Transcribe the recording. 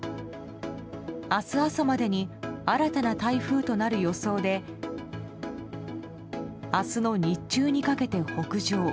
明日朝までに新たな台風となる予想で明日の日中にかけて北上。